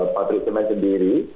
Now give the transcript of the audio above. pak prisiman sendiri